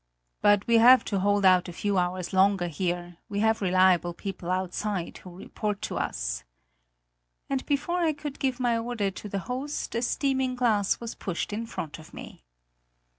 But we have to hold out a few hours longer here; we have reliable people outside, who report to us." And before I could give my order to the host, a steaming glass was pushed in front of me.